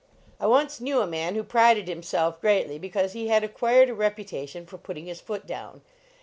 I once knew a man who prided himself greatly because he had acquired a reputation for putting his foot down.